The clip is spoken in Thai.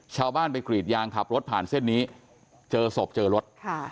ชาวบ้านไปกรีดยางขับรถผ่านเส้นนี้เจอศพเจอรถ